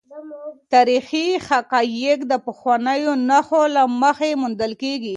تاریخي حقایق د پخوانیو نښو له مخې موندل کیږي.